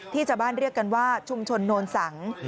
ชาวบ้านเรียกกันว่าชุมชนโนนสัง